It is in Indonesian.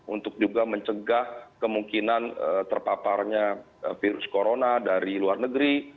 untuk juga mencegah kemungkinan terpaparnya virus corona dari luar negeri